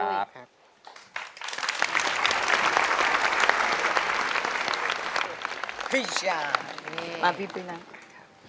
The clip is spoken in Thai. มาพี่ปุ้ยนะ